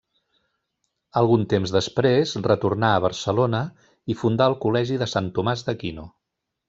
Algun temps després retornà a Barcelona i funda el Col·legi de Sant Tomàs d'Aquino.